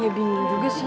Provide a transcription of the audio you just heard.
ya bingung juga sih